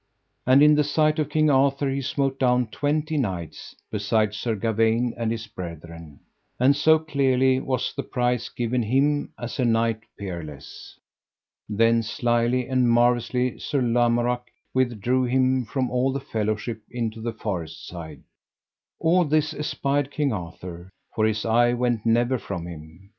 And in the sight of King Arthur he smote down twenty knights, beside Sir Gawaine and his brethren. And so clearly was the prize given him as a knight peerless. Then slyly and marvellously Sir Lamorak withdrew him from all the fellowship into the forest side. All this espied King Arthur, for his eye went never from him.